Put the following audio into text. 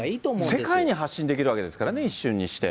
世界に発信できるわけですからね、一瞬にして。